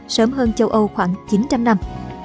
sớm hơn châu âu khoảng chín trăm linh năm